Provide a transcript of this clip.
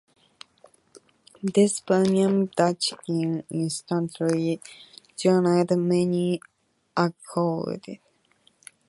This premium Dutch gin instantly garnered many accolades.